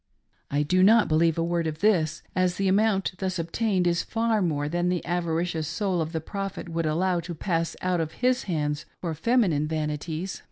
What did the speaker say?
I do not believe a word of this,, as the amount thus obtained is far more than the avaricious soul of the Prophet would allow to pass out of his hands for feminine vanities.